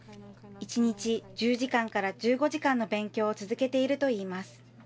１日１０時間から１５時間の勉強を続けているといいます。